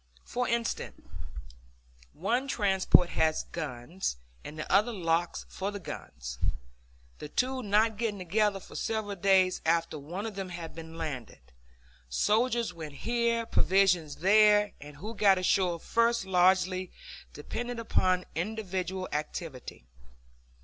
For instance, one transport had guns, and another the locks for the guns; the two not getting together for several days after one of them had been landed. Soldiers went here, provisions there; and who got ashore first largely depended upon individual activity.